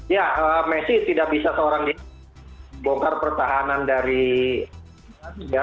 ya messi tidak bisa seorang bongkar pertahanan dari ya